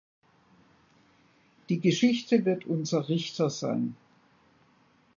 Die Geschichte wird unser Richter sein.